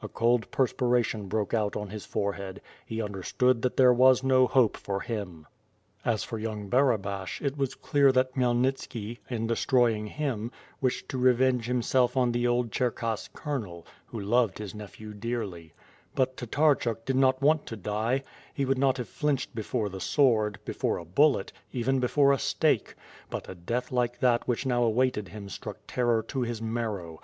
A cold perspiration broke out on his forehead; he understood that ther^ w^s no hope V^IfH FIRE AND SWORD. 13^ for him. As for young Barabash it was clear that Khmyel nitski, in destroying him, wished to revenge himself on the old Cherkass colonel, who loved his nephew dearly; but Tatarchuk did not want to die; he would not have flinched before the sword, before a bullet, even before a stake — ^but a death like that which now awaited him struck terror to his marrow.